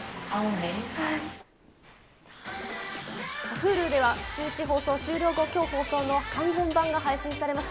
Ｈｕｌｕではシューイチ放送終了後、きょう放送の完全版が配信されます。